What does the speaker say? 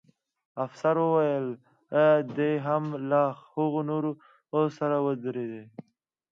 افسر وویل: دی هم له هغه نورو سره ودروئ.